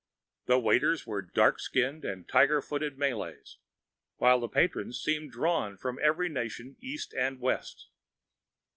The waiters were dark skinned and tiger footed Malays, while the patrons seemed drawn from every nation east and west.